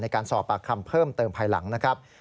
การสอบปากคำเพิ่มเติมภายหลังนะครับ